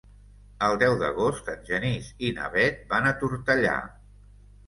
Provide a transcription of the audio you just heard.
El deu d'agost en Genís i na Bet van a Tortellà.